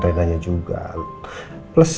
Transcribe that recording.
renanya juga plus